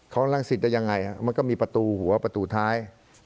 ครองลังศิษฐ์จะยังไงมันก็มีประตูหัวประตูท้าย